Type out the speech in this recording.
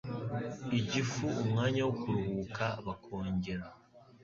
igifu umwanya wo kuruhuka, bakongera